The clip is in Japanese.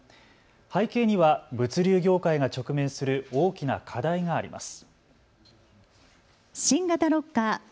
背景には物流業界が直面する大きな課題があります。